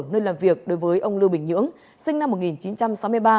nơi làm việc đối với ông lưu bình nhưỡng sinh năm một nghìn chín trăm sáu mươi ba